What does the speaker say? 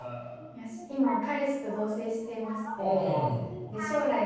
今彼氏と同棲していまして。